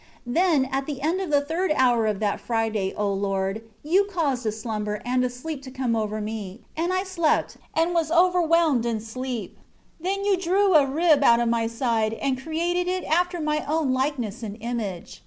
13 Then, at the end of the third hour of that Friday, O Lord, You caused a slumber and a sleep to come over me, and I slept, and was overwhelmed in sleep. 14 Then You drew a rib out of my side, and created it after my own likeness and image.